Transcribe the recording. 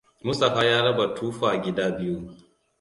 Mustapha ya raba tufa gida biyu.